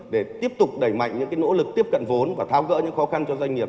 để tiếp tục đẩy mạnh những nỗ lực tiếp cận vốn và thao gỡ những khó khăn cho doanh nghiệp